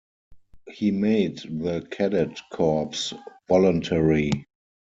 He made the Cadet Corps voluntary.